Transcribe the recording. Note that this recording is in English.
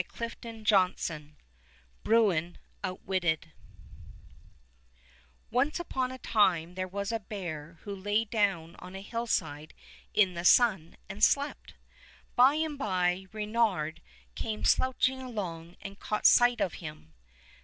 < BRUIN OUTWITTED BRUIN OUTWITTED O NCE upon a time there was a bear who lay down on a hillside in the sun and slept. By and by Reynard came slouching along and caught sight of him.